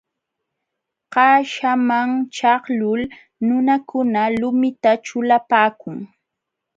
Qaśhaman ćhaqlul nunakuna lumita ćhulapaakun.